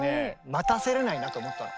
待たせられないなと思ったの。